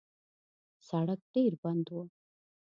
سړک ډېر بند و.